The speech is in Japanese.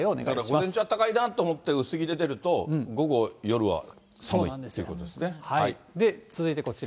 午前中、あったかいなと思って薄着で出ると、午後、夜は寒い続いてこちら。